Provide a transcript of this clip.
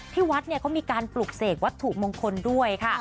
ที่วัดเนี่ยเขามีการปลุกเสกวัตถุมงคลด้วยค่ะ